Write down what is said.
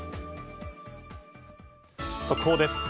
速報です。